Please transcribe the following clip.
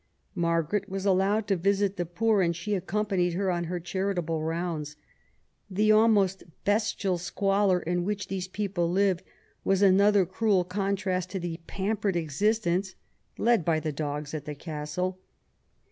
Margaret was allowed to visit the poor^ and she accompanied her on her charitable rounds. The almost bestial squalor in which these people lived was another cruel contrast to the pampered existence led by the dogs at the Castle.